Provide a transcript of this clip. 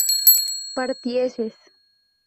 partieses